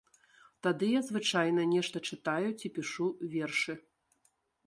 Тады я звычайна нешта чытаю ці пішу вершы.